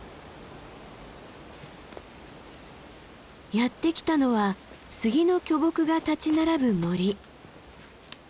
やって来たのは杉の巨木が立ち並ぶ森。